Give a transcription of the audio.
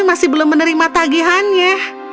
masih belum menerima tagihannya